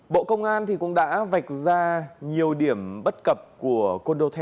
bộ công an cũng đã vạch ra nhiều điểm bất cập của condotel